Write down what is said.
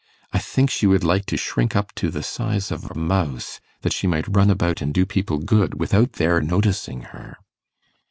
I think she would like to shrink up to the size of a mouse, that she might run about and do people good without their noticing her.